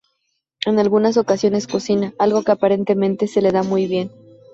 En algunas ocasiones cocina, algo que aparentemente se le da muy bien.